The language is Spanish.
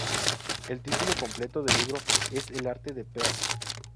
El título completo del libro es "El arte de peer.